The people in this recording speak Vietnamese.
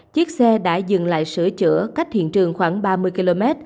chiếc xe đã dừng lại sửa chữa cách hiện trường khoảng ba mươi km